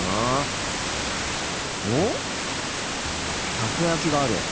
たこ焼きがある。